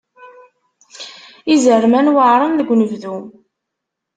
Izerman weɛren deg unebdu.